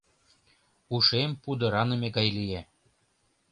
Ушем пудыраныме гай лие.